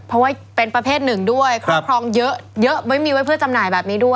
เพราะว่าเป็นประเภทหนึ่งด้วยครอบครองเยอะไว้มีไว้เพื่อจำหน่ายแบบนี้ด้วย